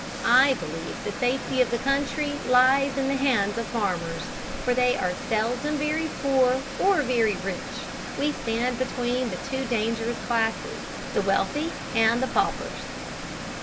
I believe the safety of the country lies in the hands of the farmers; for they are seldom very poor or very rich. We stand between the two dangerous classes the wealthy and the paupers."